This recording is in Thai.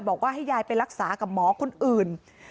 บอกว่าให้ยายไปรักษากับหมอคนอื่น